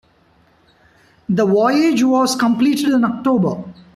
The voyage was completed in October.